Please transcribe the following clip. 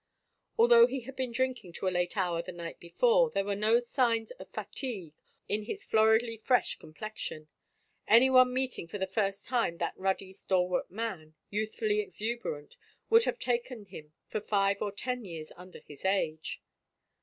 Although he had been drinking to a late hour the night before there were no signs of fatigue in his floridly fresh complexion : anyone meeting for the first time that ruddy, stalwart man, youthfully exuberant, would have taken him for five or ten years under his age.